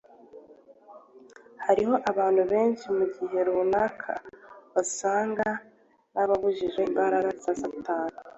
hariho abantu benshi mu gihe runaka basaga n'abakijijwe imbaraga za Satani.